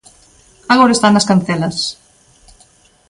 Agora está nas Cancelas.